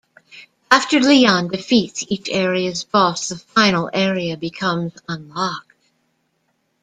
After Leon defeats each area's boss, the final area becomes unlocked.